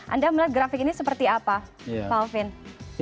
anda melihat grafik ini seperti apa pak alvin